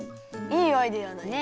いいアイデアだね。